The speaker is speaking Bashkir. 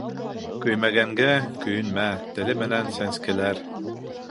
Көймәгәнгә көйөнмә: теле менән сәнскеләр.